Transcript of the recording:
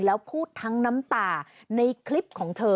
แล้วพูดทั้งน้ำตาในคลิปของเธอ